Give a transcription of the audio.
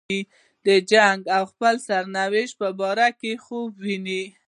د جنګ او خپل سرنوشت په باره کې خوب ویني.